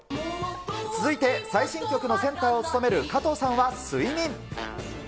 続いて最新曲のセンターを務める加藤さんは睡眠。